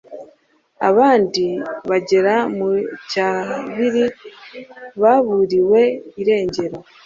Abandi bagera mu icyabiri baburiwe irengero.